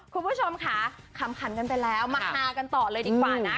คุณผู้ชมค่ะขำขันกันไปแล้วมาฮากันต่อเลยดีกว่านะ